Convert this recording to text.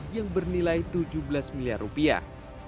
yang bernilai tujuh belas miliar rupiah